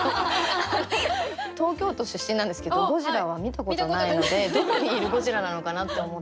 東京都出身なんですけどゴジラは見たことないのでどこにいるゴジラなのかなって思って。